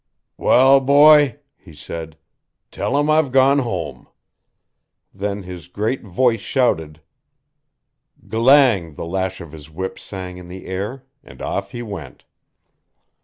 'Wall boy,' he said, 'Tell 'em I've gone home.' Then his great voice shouted, 'g'lang' the lash of his whip sang in the air and off he went.